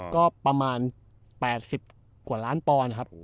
ก็ประมาณ๘๐กว่าล้านปอนด์ครับ